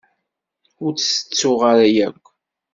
Ur tt-tettuɣ ara akk.